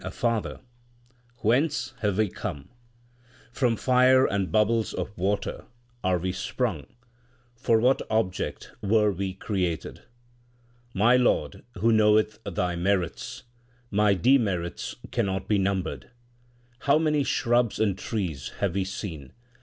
3 o THE SIKH RELIGION From fire and bubbles of water are we sprung ; for what object were we created ? My Lord, who knoweth Thy merits ? My demerits cannot be numbered. How many shrubs and trees have we seen